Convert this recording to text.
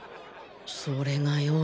それがよ